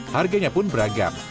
harganya pun beragam